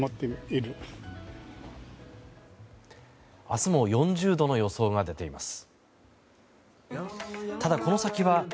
明日も４０度の予想が出ています。